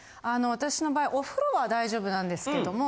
私の場合お風呂は大丈夫なんですけども。